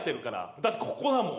だってここだもん。